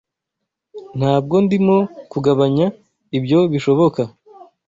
Ntabwo ndimo kugabanya ibyo bishoboka.